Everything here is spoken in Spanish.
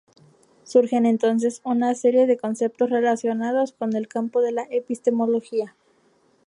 Surgen, entonces, una serie de conceptos relacionados con el campo de la epistemología.